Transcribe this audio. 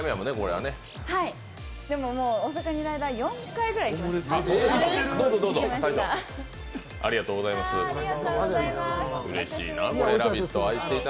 はい、でも大阪にいる間４回ぐらい行きました。